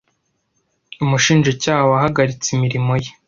umushinjacyaha wahagaritse imirimo ye